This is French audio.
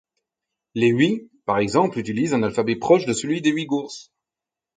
Les Hui par exemple utilisent un alphabet proche de celui des Ouïgours.